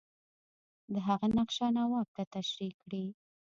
د هغه نقشه نواب ته تشریح کړي.